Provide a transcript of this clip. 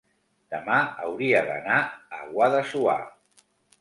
Demà hauria d'anar a Guadassuar.